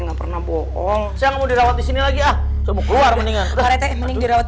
nggak pernah bohong saya mau dirawat di sini lagi ah semua keluar mendingan karetek mending dirawat